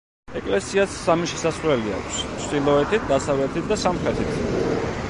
ეკლესიას სამი შესასვლელი აქვს: ჩრდილოეთით, დასავლეთით და სამხრეთით.